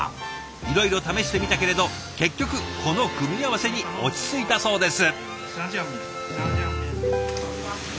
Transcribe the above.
いろいろ試してみたけれど結局この組み合わせに落ち着いたそうです。